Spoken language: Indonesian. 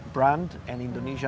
dan konsep indonesia